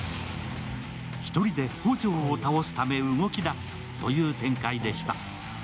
１人で宝条を倒すため動き出すという展開でした。